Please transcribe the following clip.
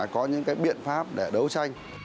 có những cái biện pháp để đấu tranh